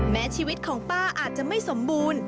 แม้ชีวิตของป้าอาจจะไม่สมบูรณ์